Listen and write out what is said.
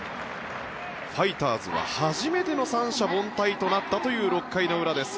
ファイターズは初めての三者凡退となったという６回の裏です。